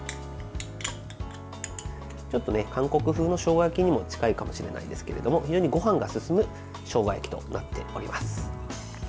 ちょっと韓国風のしょうが焼きにも近いかもしれないですけれども非常にごはんが進むしょうが焼きとなっております。